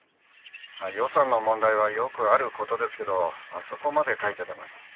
「予算の問題はよくある事ですけどあそこまで書いてたのに」